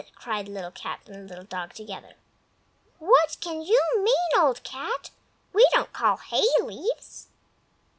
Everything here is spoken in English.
cried Little Cat and Little Dog together. "What can you mean, Old Cat? We don't call hay leaves!"